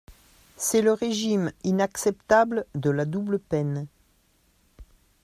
C’est le régime inacceptable de la double peine